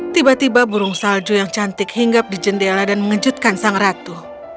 tiba tiba burung salju yang cantik hinggap di jendela dan mengejutkan sang ratu